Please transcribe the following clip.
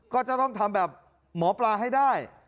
ก็จะต้องทำแบบหมอปลาให้ได้